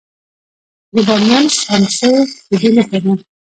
د بامیان سمڅې د دې نښه ده